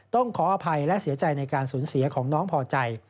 ต้องขออภัยและเสียใจในการสูญเสียของน้องพอใจ